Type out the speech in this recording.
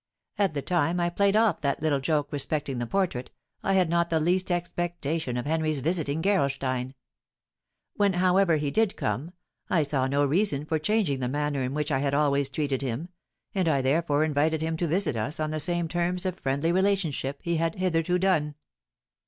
At the time I played off that little joke respecting the portrait, I had not the least expectation of Henry's visiting Gerolstein. When, however, he did come, I saw no reason for changing the manner in which I had always treated him, and I therefore invited him to visit us on the same terms of friendly relationship he had hitherto done.